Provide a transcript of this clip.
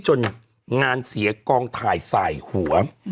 จนงานเสียกองถ่ายสายหัว